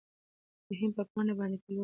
رحیم په پاڼه باندې په لوړ غږ چیغې کړې.